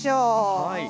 はい。